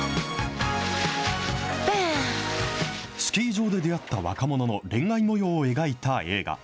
スキー場で出会った若者の恋愛もようを描いた映画。